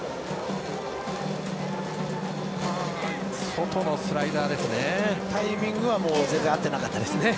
外のスライダーですね。